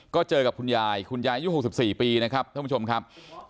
ก็เจอกับคุณยายคุณยายอายุ๖๔ปีนะครับท่านผู้ชมครับ